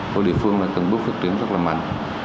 của địa phương tầm bước phát triển rất mạnh